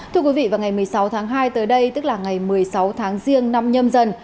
thưa quý vị vào ngày một mươi sáu tháng hai tới đây tức là ngày một mươi sáu tháng riêng năm nhâm dần